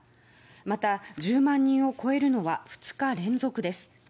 また１０万人を超えるのは２日連続です。